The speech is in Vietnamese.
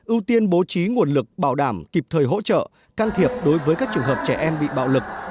ưu tiên bố trí nguồn lực bảo đảm kịp thời hỗ trợ can thiệp đối với các trường hợp trẻ em bị bạo lực